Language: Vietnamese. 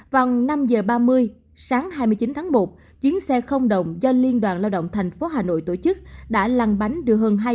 vòng năm h ba mươi sáng hai mươi chín tháng một chuyến xe không động do liên đoàn lao động tp hà nội tổ chức đã lăn bánh được hơn hai trăm linh công nhân